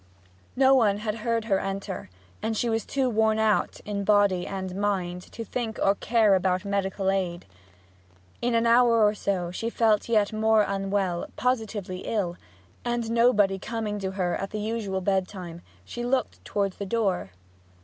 No one had heard her enter, and she was too worn out, in body and mind, to think or care about medical aid. In an hour or so she felt yet more unwell, positively ill; and nobody coming to her at the usual bedtime, she looked towards the door.